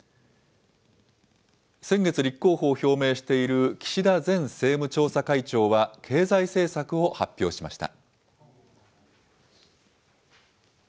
先月、立候補を表明している岸田前政務調査会長は経済政策を発表しました。